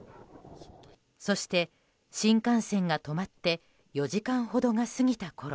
そして、新幹線が止まって４時間ほどが過ぎたころ。